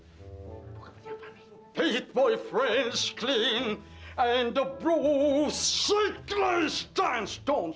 kamu ini memang sudah keterlaluan